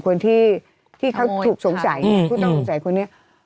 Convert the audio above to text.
คนที่เขาถูกสงสัยผู้ต้องสงสัยคนนี้